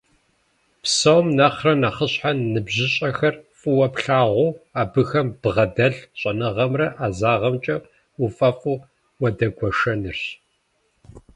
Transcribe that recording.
Псом нэхърэ нэхъыщхьэр ныбжьыщӀэхэр фӀыуэ плъагъуу, абыхэм ббгъэдэлъ щӀэныгъэмрэ ӀэзагъымкӀэ уфӀэфӀу уадэгуэшэнырщ.